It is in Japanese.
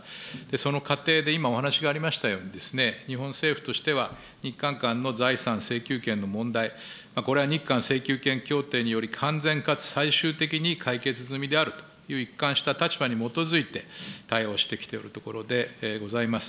その過程で今、お話がありましたように、日本政府としては、日韓間の財産請求権の問題、これは日韓請求権協定により、完全かつ最終的に解決済みであるという一貫した立場に基づいて対応してきているところでございます。